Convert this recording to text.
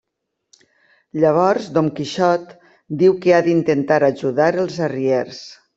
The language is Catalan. Llavors Dom Quixot diu que ha d'intentar ajudar els arriers.